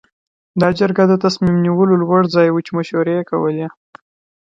دا جرګه د تصمیم نیولو لوړ ځای و چې مشورې یې کولې.